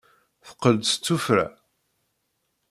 Teqqel-d s tuffra.